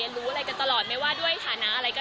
มันก็เป็นเพื่อนกันเป็นเพื่อนร่วมงานกันเท่านั้นนะคะ